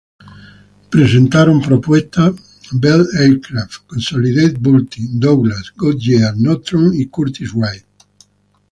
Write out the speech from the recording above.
Bell Aircraft, Consolidated-Vultee, Douglas, Goodyear, Northrop y Curtiss Wright presentaron propuestas.